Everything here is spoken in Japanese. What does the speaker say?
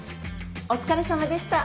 お疲れさまでした。